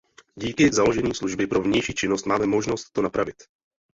Díky založení služby pro vnější činnost máme možnost to napravit.